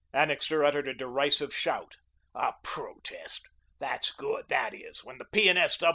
Annixter uttered a derisive shout. "A protest! That's good, that is. When the P.